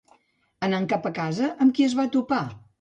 Anant cap a casa, amb qui es va topar?